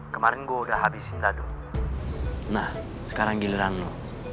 kemarin gue udah habisin dadu nah sekarang giliran lo